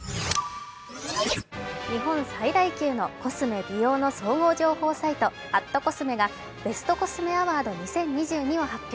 日本最大級のコスメ・美容の総合情報サイト、＠ｃｏｓｍｅがベストコスメアワード２０２２を発表。